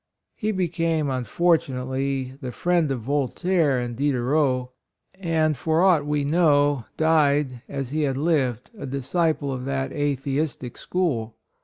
He became unfor tunately the friend of Voltaire and PRINCE DEMETRIUS. 15 Diderot, and for aught we know, died, as he had lived, a disciple of that atheistical school.